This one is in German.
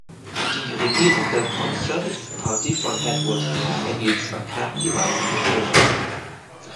Die regierende Conservative Party von Edward Heath erhielt zwar knapp die meisten Stimmen.